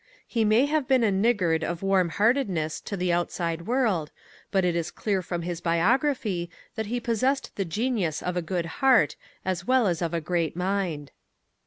He may have been a niggard of warm heartedness to the outside world, but it is clear from his biography that he possessed the genius of a good heart as well as of a great mind.